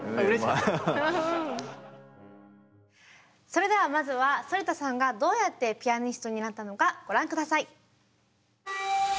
それではまずは反田さんがどうやってピアニストになったのかご覧下さい。